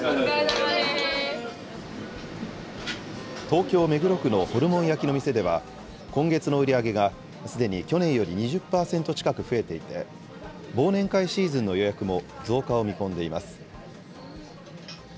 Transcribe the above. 東京・目黒区のホルモン焼きの店では、今月の売り上げがすでに去年より２０％近く増えていて、忘年会シーズンの予約も増加を見込んでいます。